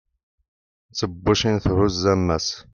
mm tebbucin thuzz ammas